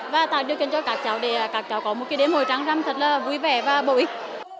và ta đưa kênh cho các cháu để các cháu có một cái đếm hồi trang răm thật là vui vẻ và bổ ích